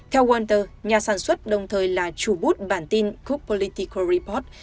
theo walter nhà sản xuất đồng thời là chủ bút bản tin cook political report